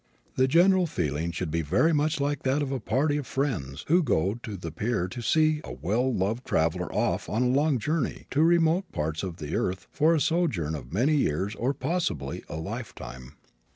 The general feeling should be very much like that of a party of friends who go to the pier to see a well loved traveler off on a long journey to remote parts of the earth for a sojourn of many years or possibly a lifetime.